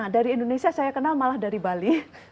dari indonesia saya kenal malah dari bali